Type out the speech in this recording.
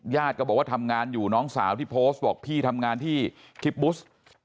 ก็บอกว่าทำงานอยู่น้องสาวที่โพสต์บอกพี่ทำงานที่กิฟบุส